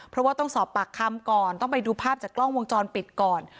เพราะว่าต้องสอบปากคำก่อนต้องไปดูภาพจากกล้องวงจรปิดก่อน